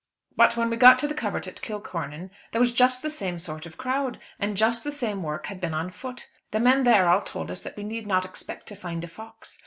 "But when we got to the covert at Kilcornan there was just the same sort of crowd, and just the same work had been on foot. The men there all told us that we need not expect to find a fox.